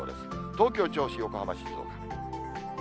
東京、銚子、横浜、静岡。